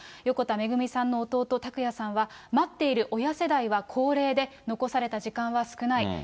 横田めぐみさんの弟、拓也さんは、待っている親世代は高齢で、残された時間は少ない。